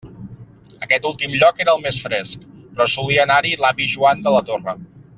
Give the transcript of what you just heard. Aquest últim lloc era el més fresc, però solia anar-hi l'avi Joan de la Torre.